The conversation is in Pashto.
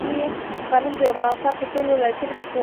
غنم د افغانستان په ټولو ولایتونو کې کرل کیږي.